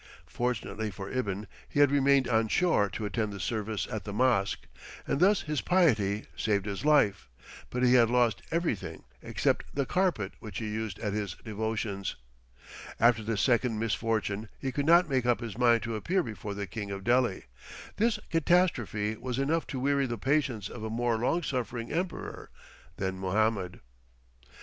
Fortunately for Ibn he had remained on shore to attend the service at the mosque, and thus his piety saved his life, but he had lost everything except "the carpet which he used at his devotions." After this second misfortune he could not make up his mind to appear before the King of Delhi. This catastrophe was enough to weary the patience of a more long suffering emperor than Mohammed.